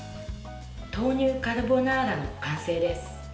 豆乳カルボナーラの完成です。